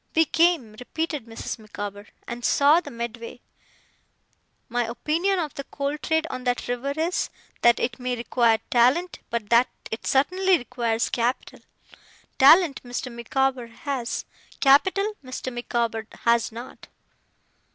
'We came,' repeated Mrs. Micawber, 'and saw the Medway. My opinion of the coal trade on that river is, that it may require talent, but that it certainly requires capital. Talent, Mr. Micawber has; capital, Mr. Micawber has not.